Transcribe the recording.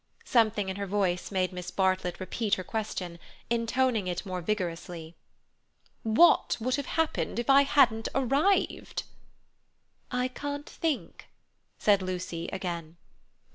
Something in her voice made Miss Bartlett repeat her question, intoning it more vigorously. "What would have happened if I hadn't arrived?" "I can't think," said Lucy again.